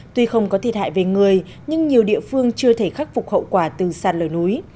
tuy không có thiệt hại về người nhưng nhiều địa phương chưa thể khắc phục hậu quả từ sạt lở núi